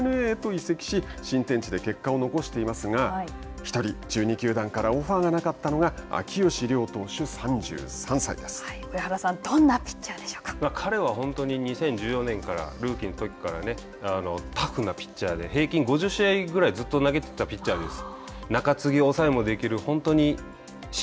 そして、大田泰示選手はＤｅＮＡへと移籍し新天地で結果を残していますが１人、１２球団からオファーがなかったのが上原さん彼は本当に２０１４年のルーキーのときからタフなピッチャーで平均５０試合ぐらいずっと投げていたピッチャーです。